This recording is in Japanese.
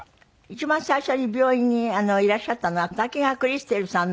一番最初に病院にいらっしゃったのは滝川クリステルさん。